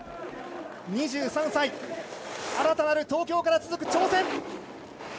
２３歳新たなる東京から続く挑戦。